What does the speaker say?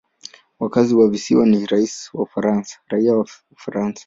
Wakazi wa visiwa ni raia wa Ufaransa.